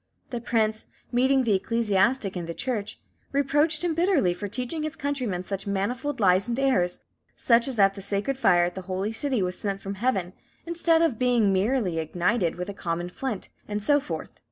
The prince, meeting the ecclesiastic in the church, reproached him bitterly for teaching his countrymen such manifold lies and errors, such as that the sacred fire at the Holy City was sent from heaven instead of being merely ignited with a common flint, and so forth.